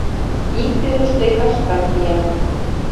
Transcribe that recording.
Ик тӱрыштӧ кашка кия.